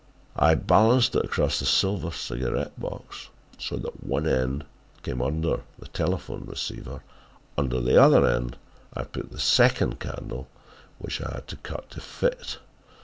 I balanced it across the silver cigarette box so that one end came under the telephone receiver; under the other end I put the second candle which I had to cut to fit.